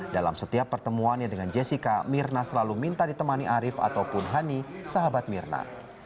dalam setiap pertemuannya dengan jessica mirna selalu minta ditemani arief ataupun hani sahabat mirna